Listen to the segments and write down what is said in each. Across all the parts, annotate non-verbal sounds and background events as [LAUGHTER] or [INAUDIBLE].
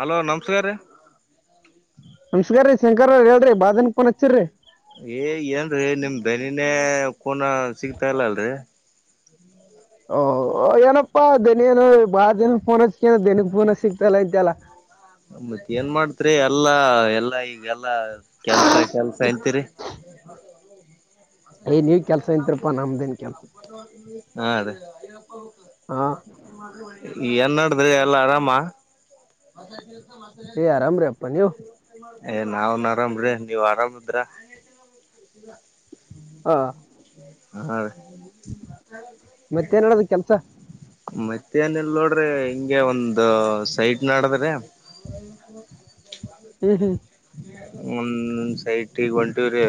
Hello ನಮಸ್ಕಾರ್ ರಿ. ನಮಸ್ಕಾರ ರೀ ಶಂಕರ್ ಅವ್ರಿ ಹೇಳ್ರಿ ಬಾದನ್ ಪೋನ್ ಹಚ್ಚಿರಿ. ಏ ಏನ್ರೀ ನಿಮ್ ಬೆನಿನೇ ಕೋನ ಸಿಗ್ತಾ ಇಲ್ಲ ಅಲ್ರಿ. ಓ ಏನಪ್ಪಾ ದನೇನು ಬಾಳ ದಿನ ಫೋನ್ ಹಚ್ತ್ಯ ದಿನಿ ಫೋನ್ ಹ ಸಿಗಾತಲ್ಲಾ ಇದ್ಯಲ್ಲಾ. ಮತ್ ಏನ್ ಮಾಡ್ತಿರಿ ಎಲ್ಲಾ ಎಲ್ಲಾ ಈಗ ಎಲ್ಲ ಕೆಲ್ಸ ಕೆಲ್ಸ ಐತ್ ಅಂತೀರಿ. [UNINTELLIGIBLE] ಏ ನೀವ್ ಕೆಲ್ಸ ಇಂತ್ರರಪ್ಪ ನಮ್ದು. ಹಾ ಅದೇ ಹಾ ಏನ್ಡ್ರೆ ಎಲ್ಲ ಆರಾಮ. [UNINTELLIGIBLE] ಎ ಆರಾಮ್ ರಿ ಅಪ್ಪ ನೀವು. ಏ ನಾವ್ನ್ ಆರಾಮ್ರಿ ನೀವ್ ಆರಾಮಿದ್ರ. ಹಾ. [UNINTELLIGIBLE] ಹಾ. [UNINTELLIGIBLE] ಮತ್ತೇನ್ ಹೇಳೋದು ಕೆಲಸ ಮತ್ತೇನಿಲ್ಲ ನೋಡ್ರಿ ಹಿಂಗೆ ಒಂದು ಸೈಟ್ ನಡದ್ರೆ. ಹ್ಮ್ ಹ್ಮ್. [UNINTELLIGIBLE] ಒಂದ್ ಒಂದ್ ಸೈಟಿಗೆ ಹೊರಟೀವ್ ರೀ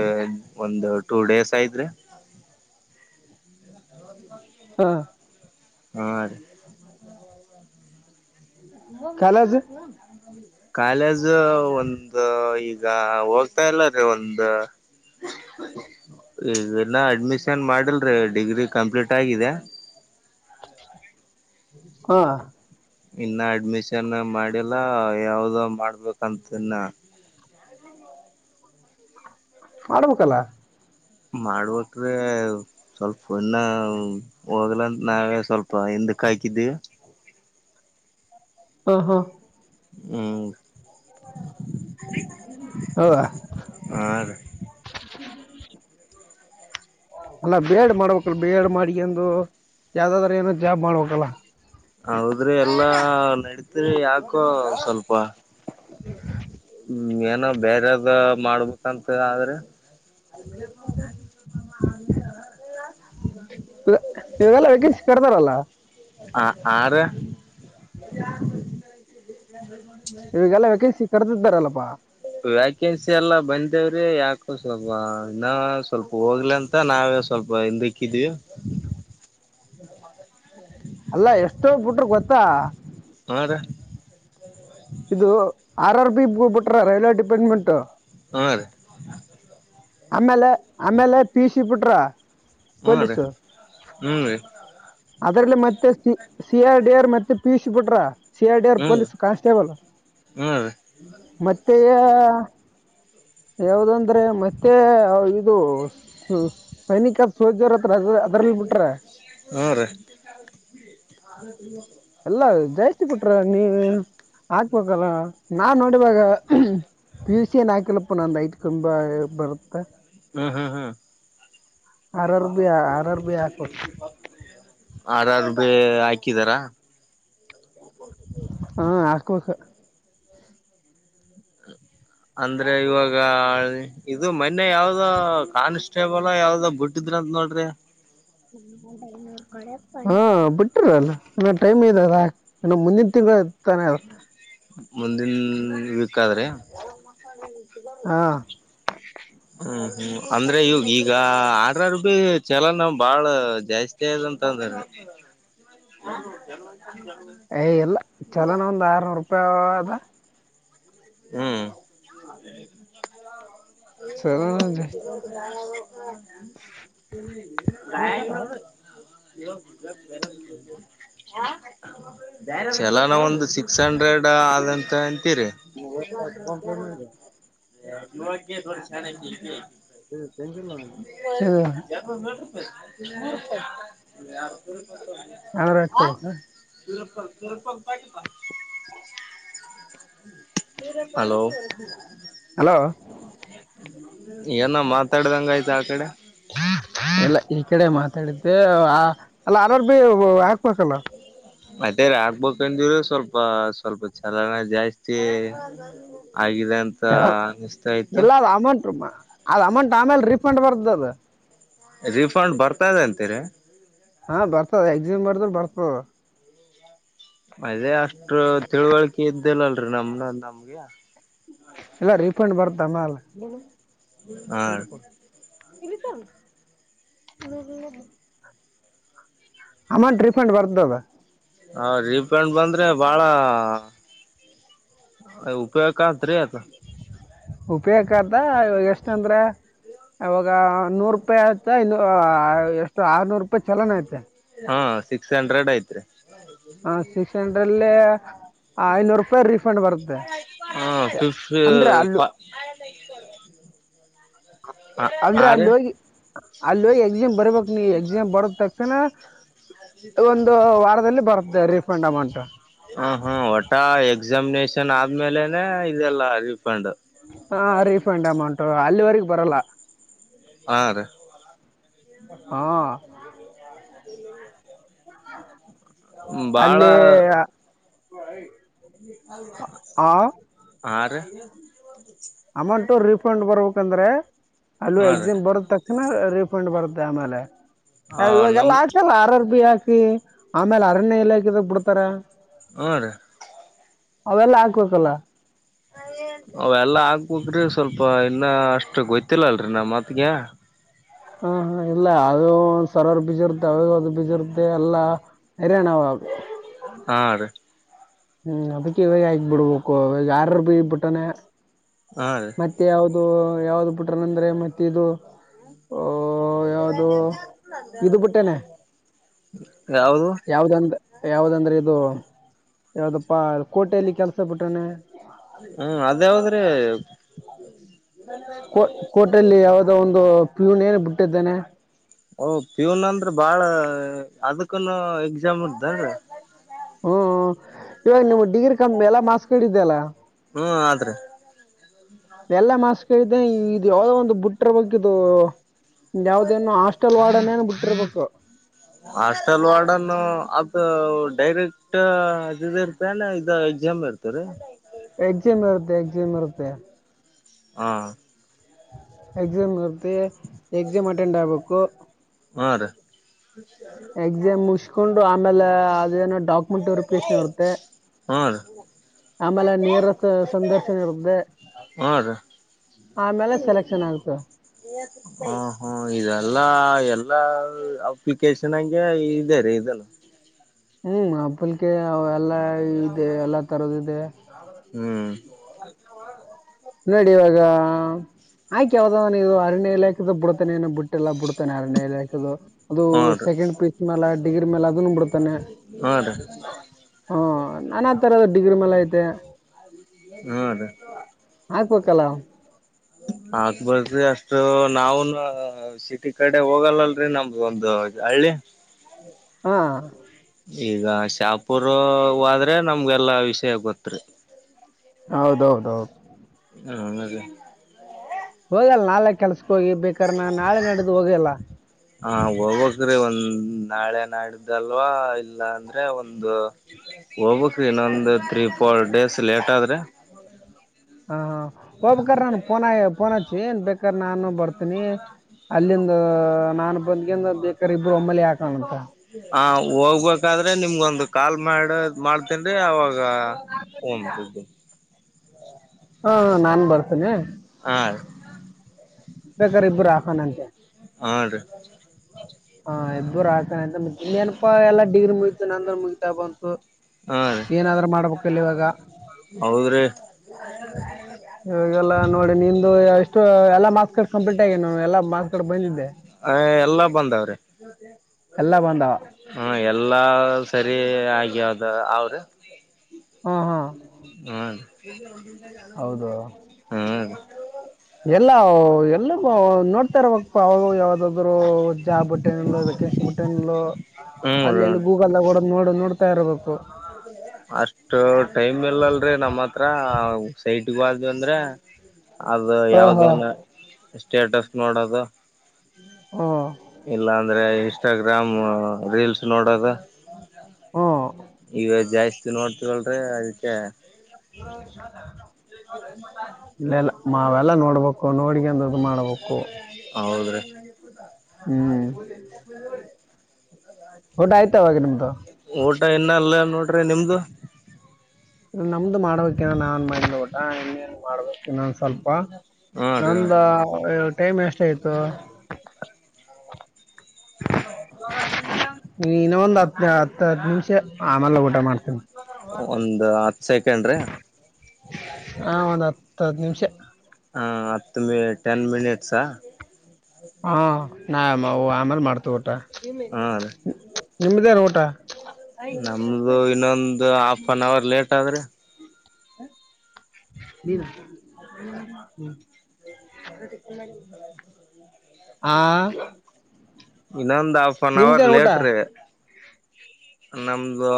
ಒಂದ್ ಟೂ ಡೇಸ್ ಆಯತ್ ರೀ. ಹ. [UNINTELLIGIBLE] ಹಾ. [UNINTELLIGIBLE] ಹಾ ರೀ. ಕಾಲೇಜು. ಕಾಲೇಜ್ ಒಂದು ಈಗ ಹೋಗ್ತಾ ಇಲ್ಲಾ ರೀ ಒಂದು. ಈಗ್ ಇನ್ನ ಅಡ್ಮಿಷನ್ ಮಾಡಿಲ್ರಿ ಡಿಗ್ರಿ ಕಂಪ್ಲೀಟ್ ಆಗಿದೆ. ಹಾ. ಇನ್ನು ಅಡ್ಮಿಷನ್ ಮಾಡಿಲ್ಲ ಯಾವ್ದೋ ಮಾಡ್ಬೇಕಂತಿನ್ನ. ಮಾಡ್ಬೇಕಲ್ಲ. ಮಾಡ್ಬೇಕು. ಸ್ವಲ್ಪ ಇನ್ನ ಹೋಗ್ಲಂತ ನಾವೇ ಸ್ವಲ್ಪ ಹಿಂದಕ್ಕೆ ಹಾಕಿದೀವಿ. ಹೋ ಹೋ. ಹ್ಮ. [UNINTELLIGIBLE] ಹಾ. ಹಾ [UNINTELLIGIBLE] [INAUDIBLE] ಅಲ್ಲ ಬಿ ಎಡ್ ಮಾಡಬೇಕಿಲ್ಲ ಬಿ ಎಡ್ ಮಾಡ್ಕಂಡು ಯಾವ್ದಾದ್ರೂ ಏನ್ ಜಾಬ್ ಮಾಡ್ಬೇಕಲ್ಲ. ಹೌದ್ರಿ ಎಲ್ಲಾ ನಡತ್ರಿ ಯಾಕೋ ಸ್ವಲ್ಪ. ಏನೂ ಬೆರೆದು ಮಾಡ್ಬೇಕಂತ ಆದ್ರೆ. [UNINTELLIGIBLE] ಇವೆಲ್ಲಾ ವೇಕೆನ್ಸಿ ಕಾರ್ದಾರಲ್ಲ. ಹಾ ಆರೇ. [UNINTELLIGIBLE] ಇವಗೆಲ್ಲಾ ವೇಕೆನ್ಸಿ ಕರೆದಿದ್ದಾರಲ್ಲಪ್ಪಾ. ವ್ಯಾಕೆನ್ಸಿ ಎಲ್ಲಾ ಬಂದೇವ್ರಿ ಯಾಕೊ ಸ್ವಲ್ಪ ಇನ್ನ ಸ್ವಲ್ಪ ಹೋಗ್ಲಿ ಅಂತ. [UNINTELLIGIBLE] ನಾವೇ ಸ್ವಲ್ಪ ಹಿಂದೆಕಿಧಿವಿ. ಅಲ್ಲಾ ಎಷ್ಟೋ ಬಿಟ್ರು ಗೊತ್ತಾ. ಹೌದಾ. [UNINTELLIGIBLE] ಇದು ಆರ್ ಆರ್ ಬಿ ಬಿಟ್ರಾ ರೈಲ್ವೆ ಡಿಪಾರ್ಟ್ಮೆಂಟ್. ಹಾ ರೀ. ಆಮೇಲೆ ಆಮೇಲೆ ಪೀ ಸಿ ಬಿಟ್ರಾ. [UNINTELLIGIBLE] ಹೂ ರೀ ಹೂ ರೀ. ಅದ್ರಲ್ಲಿ ಮತ್ತೆ ಸಿ ಐ ಡಿ ಆರ್ ಮತ್ತೆ ಪಿ ಯು ಸಿ ಬಿಟ್ರಾ. ಸಿ ಐ ಡಿ ಆರ್ ಹ್ಮ್ ಪೊಲೀಸ್ ಕಾನ್ಸ್ಟೇಬಲ್ ಹ್ಮ್ ರೀ ಮತ್ತೆ ಹಾ. ಯಾವ್ದಂದ್ರೆ ಮತ್ತೆ ಇದು ಸೈನಿಕ ಸೋಲ್ಜರ್. ಬ್ರದರ್ ಅದರಲ್ಲಿ ಬುಟ್ರಾ. ಹೂ ರೀ. [UNINTELLIGIBLE] ಎಲ್ಲಾ ಜಾಸ್ತಿ ಬುಟ್ರಾ ನೀವು ಹಕ್ಬೋದಲ್ಲ ನಾ ನೋಡೀವಾಗ. ಪಿ ಏಸ್ ಐ ಏನೂ ಹಾಕಿಲಪ್ಪ ನಂದ ಐಟ್ ತುಂಬಾ ಬರುತ್ತ. ಹ್ಮ್ ಹ್ಮ್ ಹ್ಮ್. R R B R R B ಹಾಕ್ಬೇಕು [UNINTELLIGIBLE] ಆರ್ ಆರ್ ಬಿ ಹಾಕಿದರ. ಹೂ ಹಾಕ್ಬೇಕು. ಅಂದ್ರೆ ಇವಾಗ ಇದು ಮನ್ನೆ ಯಾವ್ದೋ ಕಾನ್ಸ್ಟೇಬಲ್ ಯಬುಡ್ ಟ್ಟಿದ್ರ ಅಂತ ನೋಡ್ರಿ ಹ್ಮ [INAUDIBLE] ಹಾ ಬಿಟ್ರಲ್ಲ ಇನ್ನ ಟೈಮ್ ಇದದ್ ಇನ್ನ ಮುಂದಿನ ತಿಂಗಳ ಐತೆ ತಾನೆ ಅದ ಮುಂದಿನ ವೀಕ್ ಆದ್ರಿ ಹಾ [INAUDIBLE] ಹ್ಮ್ ಹ್ಮ್ ಅಂದ್ರ ಇವ ಈಗ ಆರ ಆರ ಭೀ ಚಲನ ಬಾಳ ಜಾಸ್ತಿ ಸ್ತಿದ ಅಂತ ಅಂದ್ರ [INAUDIBLE] ಏ ಇಲ್ಲ ಚಲನ ಒಂದ್ ಆರನೂರ್ ರೂಪಾಯಿ ಅದ ಹ್ಮ್ ಚಲನ ಗಾಗ ಜಾಸ್ತಿ [INAUDIBLE] ಹೇಳಬೇಕ [INAUDIBLE] ಹ್ಮ್ [INAUDIBLE] ಚಲನ ಒಂದ್ ಸಿಕ್ಸ್ ಹಂಡ್ರೆಡ್ ಆದಂತ ಅಂತೀರಿ ಮೊಬೈಲದಾಗ ಫೋನ್ ಪೇ ಮಾಡಿದೆವ [INAUDIBLE] ದೊಡ್ಡ ಶಾಣೆಕಿ ಇಕಿ ಚೆಂಜ ಇಲ್ಲಣ್ಣ [INAUDIBLE] [INAUDIBLE] [INAUDIBLE] ಎರಡ ನೂರ ಐವತ್ತ ಕೊಡಬೇಕ್ ಇಲ್ಲಪ್ಪ [INAUDIBLE] [INAUDIBLE] ಹಲೋ ಹಲೋ ಏನ್ ಮಾತಾಡ್ದಿಂಗ ಆಯ್ತ ಆ ಕಡೆ ಇಲ್ಲ ಈ ಕಡೆ ಮಾತಾಡಿದ್ದ್ ಅಲ್ಲ ಆರಾರ್ ಭೀ ಹಾಕ್ಬೇಕಲ್ಲ ಅದೇ ರಿ ಆಕಬೇಕಂದಿವರಿ ಸ್ವಲ್ಪ ಸ್ವಲ್ಪ ಚಲನ ಜಾಸ್ತಿ ಆಗಿದೆ ಅಂತ ಚನಲ್ಲ ಅನಿಸ್ತಾ ಇತ್ತು ಇಲ್ಲ ಅದ್ ಅಮೌಂಟ್ ಅದ್ ಅಮೌಂಟ್ ಆಮೇಲ ರೀಫಂಡ್ ಬತರ್ದ ಅದು ರೀಫಂಡ್ ಬರ್ತದೆ ಅಂತೀರಿ ಹಾ ಬರ್ತದ ಎಕ್ಸಿಮ್ ಬರ್ದ್ ಬರ್ತದ ಅದೇ ಅಷ್ಟ ತಿಳುವಳಿಕೆ ಇದ್ದಿಲ್ಲಲ್ರಿ ನಮ್ನ ನಮ್ಗೆ ಎಲ್ಲ ರೀಫಂಡ್ ಬರ್ತದ ಆಮಲ ಹ ಚಿಲರ್ ಕೊಡ [INAUDIBLE] ಅಮೌಂಟ್ ರಿಫಂಡ್ ಬರ್ತದದ್ ಹ ರೀಪೆಂಡ ಬಂದ್ರೆ ಬಾಳ ಉಪಯೋಗ ಕಾತ್ರಿ ಅದ್ ಉಪಯೊಕಾತದ ಇವಾಗ ಎಷ್ಟ ಅಂದ್ರೆ ಇವಾಗ ನೂರು ರೂಪಾಯಿ ಆಯ್ತಾ ಇನ್ನು ಎಷ್ಟ ಆರ್ನೂರು ರೂಪಾಯಿ ಚಲನ ಐತೆ ಹ್ ಸಿಕ್ಸ್ ಹಂಡ್ರೆಡ್ ಐತ್ರಿ ಹ ಸಿಕ್ಸ್ ಹಂಡ್ರೆಡ್ ಅಲ್ಲಿ ಹ ಐನೂರು ರೂಪಾಯಿ ರೀಫಂಡ್ ಬರುತ್ತೆ ಅಂದ್ರೆ ಅಲ್ಲ ಆಮೇಲೆ ಈಸಕೊಡು ಅಂದ್ರೆ ಅಲ್ಲಿ ಹೋಗಿ ಅಲ್ಲಿ ಹೋಗಿ ಎಕ್ಸಾಮ್ ಬರ್ಬೇಕಕ್ ನೀ ಎಕ್ಸಾಮ್ ಬರ ತಕ್ ಕ್ಷಣ ಒಂದು ವಾರದಲ್ಲಿ ಬರುತ್ತದೆ ರೀಫಂಡ್ ಅಮೌಂಟ್ ಹ ಹಾ ಒಟ್ಟ ಎಕ್ಸಾಮಿನೇಷನ್ ಆದ್ಮೇಲೆನೆ ಇದೆಲ್ಲ ರರಿಫಂಡ್ ಹಾ ರೀಫಂಡ್ ಅಮೌಂಟ ಅಲ್ಲಿವರೆಗೆ ಬರಲ್ಲ ಹಾ ರೀ ಹಾ [INAUDIBLE] ಬಾಳ ಅಲ್ಲಿ ಹಾ ಹಾ ಆ ರಿ ಅಮೌಂಟು ರೀಫಂಡ್ ಬರ್ಬೇಕಂದ್ರೆ ಅಲ್ಲೂ ಹಾ ರೀ ಎಕ್ಸಿಮ್ ಬರ ತಕ್ಷಣ ರೀಫಂಡ್ ಬರುತ್ತೆ ಆಮೇಲೆ ಆ ಅ ನಮ್ ಇವಾಗೆಲ್ಲ ಹಾಕಲ್ಲ ಅರರ್ಬಿ ಹಾಕಿ ಆಮೇಲೆ ಅರಣ್ಯ ಇಲಾಖೆ ಎಲ್ಲ ಹಾಕಿದಾಗ ಬಿಡ್ತಾರ ಹಾ ರೀ ಅವೆಲ್ಲ ಹಾಕ್ಬೇಕಲ್ಲ ಅವ ಎಲ್ಲ ಆಗ್ಬ್ರಿ ಸ್ವಲ್ಪ ಇನ್ನ ಅಷ್ಟು ಗೊತ್ತಿಲ್ಲ ಅಲ್ರಿ ನಮ್ಮ ಮತ್ಗೆ ಹಾ ಹ ಇಲ್ಲ ಅದು ಒ ಸರವರ್ ಬೀಜರುದೆ ಅವಾಗ ಅದು ಬೀಜ ಇರ್ತ್ತ ಎಲ್ಲಾ [UNINTELLIGIBLE] ಹಾ ರಿ ಹ್ಮ್ ಅದಕ್ಕೆ ಇವಾಗ ಆಗ್ ಬಿಡ್ಬೇಕು ಅವಾಗ ಯಾರ ಬಿಟ್ಟಿದ್ದಾನೆ ಹಾ ರೀ ಮತ್ತೆ ಯಾವವುದು ಯಾವ್ದ ಬಿುಟ್ರಂದ್ರೆ ಮತ್ತೆ ಇದು ಅ ಯ ಅದು ಇದು ಬಿುಟ್ಟೇನೆ ಯಾವ್ದು ಯಾವ್ದೊಂದು ಯಾವವು್ದಂದ್ರೆ ಇದು ಯಾವ್ದಪ್ಪಾ ಕೋಟೆಯಲ್ಲಿ ಕೆಲ್ಸ ಬಿಟ್ಟಾನೆ ಹ್ಮ ಅದಾವದ್ರೀ ಕೋ ಕೋಟಲ್ಲಿ ಯಾವದೋ ಒಂದು ಪ್ಯೂನ್ ಏನು ಬಿಟ್ಟಿದ್ದಾನೆ ಓಹ ಪೂನ್ ಅಂದ್ರ ಬಾಳ ಅದಕ್ಕನು ಎಕ್ಸಾಮ್ ಇರುತ್ತಾದ ಏನ್ರೀ ಹ್ಮ್ ಇವಾಗ ನಿಮ್ ಡಿಗ್ರಿ ಕ ಎಲ್ಲ ಮಾರ್ಕ್ಸ್ ಕಿದ್ದೆಲ್ಲ ಹ್ಮ್ ಆದ್ರೆ ಎಲ್ಲಾ ಮಾಸ್ ಕ್ದೆ ಇದು ಯಾವದೋ ಒಂದು ಬುಟ್ರ ಬಕ್ಕಿದು ಯಾವ್ದೇನು ಹಾಸ್ಟೆಲ್ ವಾರ್ಡನೇ ಬಿಟ್ಟಿರ್ಬೇಕು ಹಾಸ್ಟೆಲ್ ವಾರ್ಡನ್ ಅದು ಡೈರೆಕ್ಟ್ ಇದ ಇರ್ತನೆ ಇದು ಎಕ್ಸಾಮ್ ಇರ್ತೆ ಹತ್ತರೆ ಎಕ್ಸಾಮ್ ಇರುತ್ತೆ ಎಕ್ಸಾಮ್ ಇರುತ್ತೆ ಹಾ ಎಕ್ಸಾಮ್ ಹರ್ತ್ತ ಎಕ್ಸಾಮ್ ಅಟೆಂಡ್ ಆಬೇಕು ಹಾ ರೀ [UNINTELLIGIBLE] ಎಕ್ಸಾಮ್ ಮುಗಿಸ್ಕೊಂಡು ಆಮೇಲೆ ಅದೇನೋ ಡಾಕ್ಯುಮೆಂಟ್ ವೆರಿಫಿಕೇಶನ್ ಇರುತ್ತೆ ಹ್ಮ ಆಮೇಲೆ ನೇರ ಸ- ಸಂದರ್ಶನ ಇರುತ್ತೆ ಹ್ಮ ರಿ ಆಮೇಲೆ ಸೆಲೆಕ್ಷನ್ ಆಗುತ್ತೆ ಹ್ಮ ಹಾ ಹಾ ಇದೆಲ್ಲಾ ಎಲ್ಲಾ ಅಪ್ಲಿಕೇಶನ್ಗೆ ಇದೇ ರ ಇದನ್ನು ಹ್ಮ್ ಹಪ್ಪಲಿಕೆ ಎಲ್ಲಾ ಇದೆ ಎಲ್ಲಾ ತರದ ಇದೆ ಹ್ಮ್ ನೋಡಿ ಇವಾಗ ಆಯ್ಕ ಯಾವ್ದಾವಾನ ಇದು ಅರಣ್ಯಲ್ಲ ಬಿಡಡ್ತಾನ ಏನ ಬಿಟ್ಟೆಲ್ಲ ಬಿಡ್ತ ಅೇಾ ಅದು ಹೂನ್ ರೀ ಸೆಕೆಂಡ್ ಪೀಸ್ ಮ್ಯಾಲ ಡಿಗ್ರಿ ಮೇಾಲ ಅದು ಬಿಡ್ತಾನೆ ಹುಂಡ್ರಿ. ಹು ನಾನಾ ತರದ ಡಿಗ್ರಿ ಮೇಲೆ ಐತೆ. ಹಾ ಅದೇ. ಹಾಕ್ಬೇಕಲ್ಲ. ಹಾಕ್ಬೇಕ್ರಿ ಅಷ್ಟು ನಾವುನು ಸಿಟಿ ಕಡೆ ಹೋಗಲ್ಲಲ್ರಿ ನಮ್ದ ಒಂದು. ಹಳ್ಳಿದ್. ಹಾ ಈಗ ಶಾಪುರ ಹೊದ್ರೆ ನಮ್ಗೆಲ್ಲಾ ವಿಷಯ ಗೊತ್ತ ರಿ. ಹೌದ ಹೌದ ಹೌದ. ಆಮೇಲೆ. ಹೋಗಲ್ಲ ನಾಳೆ ಕೆಲ್ಸಕ್ ಹೋಗಿ ಬೇಕಾರ್ ನಾ ನಾಳೆ ನಾಡಿದು ಹೋಗಲ್ಲ. ಹ ಹೋಗಕ್ರಿ ಒಂದ್ ನಾಳೆ ನಾಡಿದ್ದಲ್ವಾ ಇಲ್ಲಾ ಅಂದ್ರೆ ಒಂದು ಹೋಗ್ಬೇಕ್ರಿ ಇನ್ನೊಂದು ತ್ರೀ ಫೋರ್ ಡೇಸ್ ಲೇಟ್ ಆದ್ರೆ. ಹಾ ಹೋಗ್ಬೇಕಾರ ನನ್ ಪೋನ ಪೋನಚ್ಚಿ ಏನ್ ಬೇಕಾರ ನಾನು ಬರ್ತೀನಿ. ಅಲ್ಲಿಂದ ನಾನ್ ಬಂದಗಿಂದ ಬೇಕಾರ ಇಬ್ರು ಒಮ್ಮಲಿ ಹಾಕಣಂತ. ಹಾ ಹೋಗ್ಬೇಕಾದ್ರೆ ನಿಮ್ಗೊಂದು ಕಾಲ್ ಮಾಡ ಮಾಡ್ತೇನ್ಡ್ರಿ ಅವಾಗ. ಫೋನ್ ಬಿಡ. ಹಾ ಹಾ ನಾನ್ ಬರ್ತೇನಾ. ಹಾ ರಿ. ಬೇಕಾರ ಇಬ್ಬರು ಹಾಕನ ಅಂತೆ. ಹುಂಡ್ರಿ. ಹಾ ಇಬ್ಬರು ಹಾಕನಂತ ಮತ್ತ ಇನ್ನೆನ ಪಾ ಎಲ್ಲಾ ಡೀಲ್ ಮುಗತ ನಂದು ಮುಗಿತಾಬಂತು. ಹಾ ರೀ ಏನಾದ್ರೂ ಮಾಡ್ಬೇಕಿಲ್ಲ ಇವಾಗಾ. ಹೌದ್ರಿ. ಹ ಎಲ್ಲಾ ನೋಡಿ ನಿಂದು ಎಷ್ಟು ಎಲ್ಲಾ ಮತ್. ಕಡ ಕಂಪ್ಲೀಟ್ ಆಗಿನ ನಾನು ಎಲ್ಲ ಮಾಸ್ಕಾರ್ಡ್ ಬಂದಿದ್ದೆ. ಐ ಎಲ್ಲಾ ಬಂದಾವ್ರಿ. ಎಲ್ಲಾ ಬಂದಾವ ಹು ಎಲ್ಲಾ ಸರಿ ಆಗವದ ಅವ್ರಿ. ಹಾ ಹಾ ಹು ರಿ ಹೌದು ಹು ರಿ. ಇಲ್ಲಾ ಎಲ್ಲಾನು ನೋಡ್ತಾ ಇರ್ಬೇಕಪಾ ಯಾವ್ದ ಬ್ರೂ ಜಾಬ್ ಬಿಟ್ಟೇನಿಲ್ಲೋ ವೆಕೆಸಿ ಬಿಟ್ಟೇನಿಲ್ಲೋ ಅಲ್ಲಿ ಹ್ಮ್ ಎಲ್ಲಿಗೂ. ವಲ್ಲಗೋಡ ನೋಡ ನೋಡ್ತಾ ಇರಬೇಕು. ಹೌದೇನೋ. ಅಷ್ಟು ಟೈಮ್ ಇಲ್ಲಲ್ಲಡ್ರಿ ನಮ್ಮ ಹತ್ರ ಸೈಟ್ ಬಂತಂದ್ರ. ಅದು ಹಾ ಹಾ ಯಾವ್ದನ್ನ ಸ್ಟೇಟಸ್ ನೋಡೋದು. ಹ್ಞೂ ಇಲ್ಲಾಂದ್ರೆ ಇನ್ಸ್ಟಾಗ್ರಾಮ್ ರೀಲ್ಸ್ ನೋಡೋದ. ಹು ಈಗ ಜಾಸ್ತಿ ನೋಡ್ತೀವಲಡ್ರಿ ಅದಕ್ಕೆ. ಇಲ್ಲಿಲ್ಲ ಮಾವೆಲ್ಲಾ ನೋಡ್ಬೇಕು ನೋಡ್ಕಂದ. ಇದು ಮಾಡ್ಬೇಕು ಹೌದ್ರಿ ಹು ಊಟ ಆಯ್ತ ಅವಾಗೇ ನಮ್ದು. ಊಟ ಇನ್ನ ಇಲ್ಲ ನೋಡ್ರಿ ನಿಮ್ದು. ನಮ್ದು ಮಾಡ್ಬೇಕೆನ್ನ ನಾನ್ ಮಾಡ ಊಟ ಇನ್ನೇನ್ ಮಾಡ್ಬೇಕ ಇನ್ನೊಂದ ಸ್ವಲ್ಪ. ಹಾ ರೀ ನಂದ ವಾ ಇ ಟೈಮ್ ಎಷ್ಟ ಆಯ್ತು ಇನ್ನ ಒಂದ್ ಹತ್ ಹತ್ತ ಹತ್ತು ನಿಮಿಷ ಆಮೇಲೆ ಊಟ ಮಾಡ್ತೀನಿ ಒಂದ್ ಹತ್ ಸೆಕೆಂಡ್ರೀ ಹಾ ಒಂದ್ ಹತ್ತು ಹದ್ ನಿಮಿಷ ಹಾ ಹತ್ತು ಮ ಟೆನ್ ಮಿನಿಟ್ಸಾ ಹಾ ನಾ ಆಮೇಲೆ ಮಾಡ್ತೇ ಊಟ ಹಾ ರೀ ನಿಮ್ದೇನ್ ಊಟ ನಮ್ದು ಇನ್ನೊಂದು ಹಾಫ್ ಅನ್ ಅವರ್ ಲೇಟ್ ಆದ್ರೆ ನೀದ ಹ್ಮ ಆ ಇನ್ನೊಂದು ಹಾಫ್ ಆನ್ ಅವರ್ ನಿಮ್ದೇನ್ ಊಟ ಲೇಟ್ ಆಗುತ್ತೆ ನಮ್ದು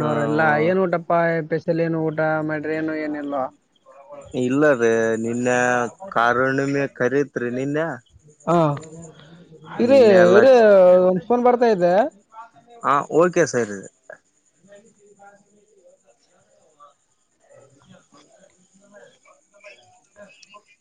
ಹ ಎಲ್ಲಾ ಏನ್ ಊಟಪ್ಪಾ ಪೆಸಲ್ ಏನು ಊಟ ಮಾಡ್ರಿ ನು ಏನಲ್ವಾ ಇಲ್ಲ ರೀ ನಿನ್ನ ಕಾರುಣಿಮೆ ಕರತ್ರಿ ನಿನ್ನೆ ಹಾ ಇರಿೀ ನಿನ್ನೆ ಎಲ್ಲ ಇರಿೀ ಒನ್ಸ್ಫೋನ್ ಬರ್ತಾ ಇದ್ದೆ ಹಾ ಓಕೆ ಸರ್ ಇ ಅ [INAUDIBLE]